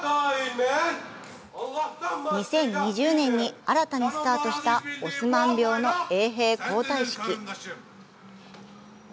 ２０２０年に新たにスタートしたオスマン廟の衛兵交代式。